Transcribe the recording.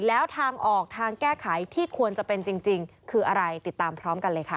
แล้วทางออกทางแก้ไขที่ควรจะเป็นจริงคืออะไรติดตามพร้อมกันเลยค่ะ